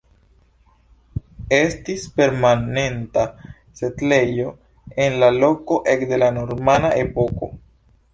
Estis permanenta setlejo en la loko ekde la normana epoko.